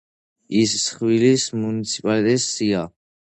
იხ სევილიის მუნიციპალიტეტების სია.